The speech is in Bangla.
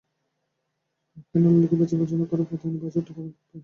কেন লালীকে বেচবার সময় কথা হয়নি প্রথম বাছুরটা পরাণ পাবে?